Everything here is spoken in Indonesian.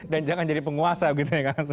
dan jangan jadi penguasa gitu ya kak asep